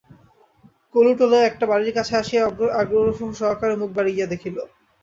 কলুটোলায় একটা বাড়ির কাছে আসিয়া আগ্রহসহকারে মুখ বাড়াইয়া দেখিল।